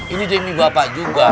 ini demi bapak juga